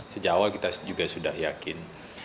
sejak awal kita juga sudah yakin